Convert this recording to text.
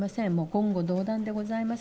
言語道断でございます。